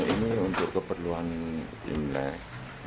ini untuk keperluan imlek